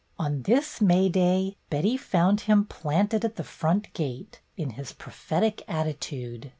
On this May day Betty found him planted at the front gate, in his prophetic attitude.